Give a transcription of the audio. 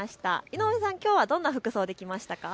井上さん、きょうはどんな服装で来ましたか。